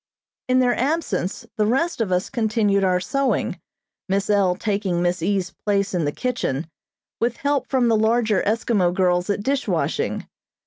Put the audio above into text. In their absence the rest of us continued our sewing, Miss L. taking Miss E.'s place in the kitchen, with help from the larger Eskimo girls at dish washing.